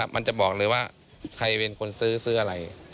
มันจะบอกเลยว่าใครเป็นคนซื้อซื้ออะไร